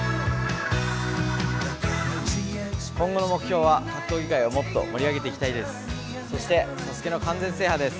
今後の目標は格闘技界をもっと盛り上げていきたいです。